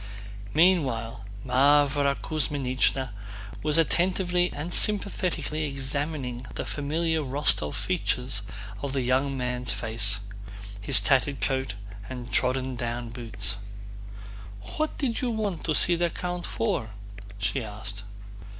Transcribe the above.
Meanwhile, Mávra Kuzmínichna was attentively and sympathetically examining the familiar Rostóv features of the young man's face, his tattered coat and trodden down boots. "What did you want to see the count for?" she asked.